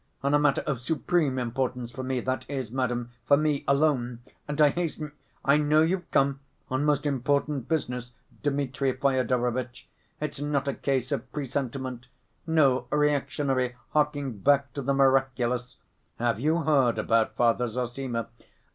On a matter of supreme importance for me, that is, madam ... for me alone ... and I hasten—" "I know you've come on most important business, Dmitri Fyodorovitch; it's not a case of presentiment, no reactionary harking back to the miraculous (have you heard about Father Zossima?).